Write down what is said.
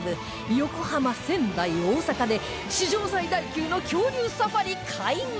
横浜仙台大阪で史上最大級の恐竜サファリ開幕！